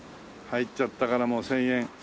入っちゃったからもう１０００円。